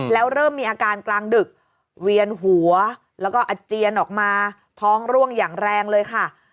แล้วเริ่มมีอาการกลางดึกเวียนหัวแล้วก็อาเจียนออกมาท้องร่วงอย่างแรงเลยค่ะ